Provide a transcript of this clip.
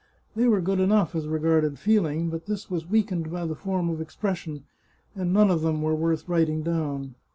They were good enough as regarded feeling, but this was weak ened by the form of expression, and none of them were worth writing down.